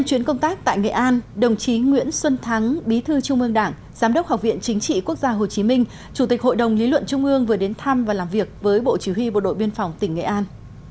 chủ tịch hội đồng lý luận trung ương vừa đến thăm và làm việc với bộ chỉ huy bộ đội biên phòng tỉnh nghệ an